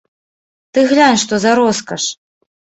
Ты глянь, што за роскаш.